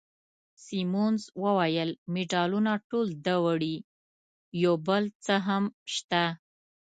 سیمونز وویل: مډالونه ټول ده وړي، یو بل څه هم شته.